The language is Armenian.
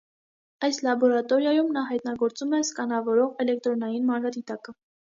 Այս լաբորատորիայում նա հայտնագործում է սկանավորող էլեկտրոնային մանրադիտակը։